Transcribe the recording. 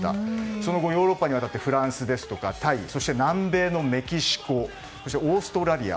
その後ヨーロッパに渡ってフランスやタイそして南米のメキシコそしてオーストラリア。